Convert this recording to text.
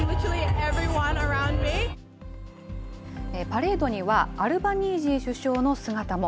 パレードには、アルバニージー首相の姿も。